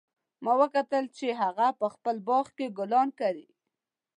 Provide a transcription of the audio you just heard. ما وکتل چې هغه په خپل باغ کې ګلان کري